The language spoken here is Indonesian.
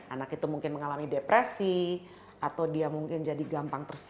anak itu mungkin mengalami depresi atau dia mungkin jadi gampang tersisa